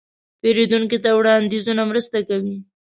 پیرودونکي ته وړاندیزونه مرسته کوي.